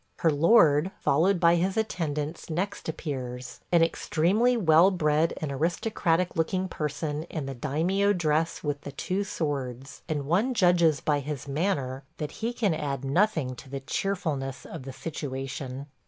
Her lord, followed by his attendants, next appears – an extremely well bred and aristocratic looking person in the daimio dress with the two swords; and one judges by his manner that he can add nothing to the cheerfulness of the situation.